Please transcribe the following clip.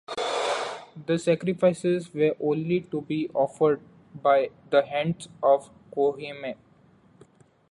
The sacrifices were only to be offered by the hands of the Kohenim.